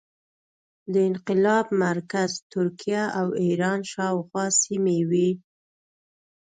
د انقلاب مرکز ترکیه او ایران شاوخوا سیمې وې.